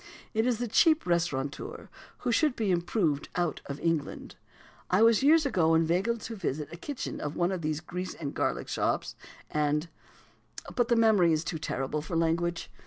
It is the cheap restaurateur who should be improved out of England. I was years ago inveigled into visiting the kitchen of one of these grease and garlic shops, and but the memory is too terrible for language.